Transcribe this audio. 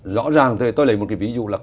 rõ ràng tôi lấy một cái ví dụ là